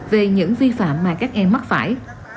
về những vi phạm mà các em mắc phải